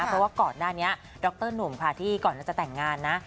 เพราะว่าก่อนหน้านี้ดรหนุ่มค่ะที่ก่อนจะแต่งงานนะ